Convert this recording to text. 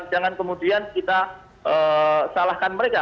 jangan kemudian kita salahkan mereka